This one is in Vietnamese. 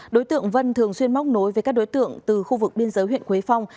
đối tượng vân thường xuyên móc nối với các đối tượng từ khu vực biên giới huyện quế phong